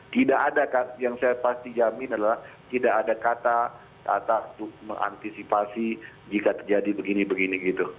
tidak ada yang saya pasti jamin adalah tidak ada kata kata untuk mengantisipasi jika terjadi begini begini gitu